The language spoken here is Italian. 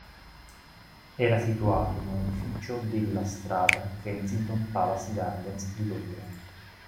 Era situato in un edificio della strada Kensington Palace Gardens di Londra.